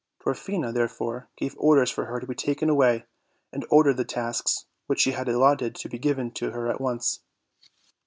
Dwarfina, therefore, gave orders for her to be taken away, and ordered the tasks which she had allotted to be given to her at once.